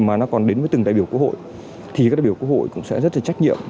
mà nó còn đến với từng đại biểu quốc hội thì các đại biểu quốc hội cũng sẽ rất là trách nhiệm